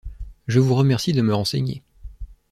Je vous remercie de me renseigner.